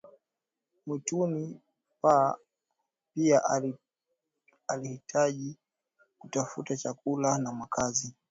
mwituni pia alihitajika kutafuta chakula na makazi